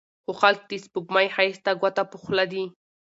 خو خلک د سپوږمۍ ښايست ته ګوته په خوله دي